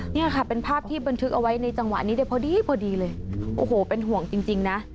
เนี่ยค่ะเป็นภาพที่บันทึกเอาไว้ในจังหวะนี้ได้พอดีพอดีเลยโอ้โหเป็นห่วงจริงนะ